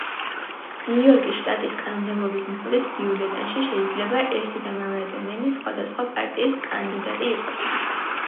ნიუ-იორკის შტატის კანონმდებლობის მიხედვით, ბიულეტენში შეიძლება ერთი და იმავე ადამიანი სხვადასხვა პარტიის კანდიდატი იყოს.